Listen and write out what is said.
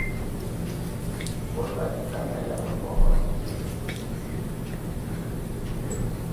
Mbol batsidi a nganyanga kom abui,